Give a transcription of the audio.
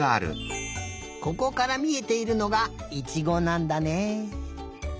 ここからみえているのがいちごなんだね。